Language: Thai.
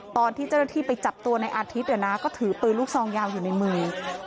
ตอนที่เจ้าหน้าที่ไปจับตัวในอาทิตย์ก็ถือปืนลูกซองยาวอยู่ในมือ